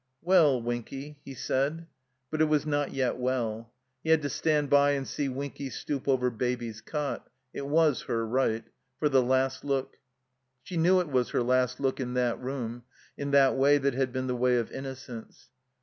"Well — ^Winky," he said. But it was not yet well. He had to stand by and see Winky stoop over Baby's cot (it was her right) for the last look. She knew it was her last look, in that room — in that way that had been the way of innocence.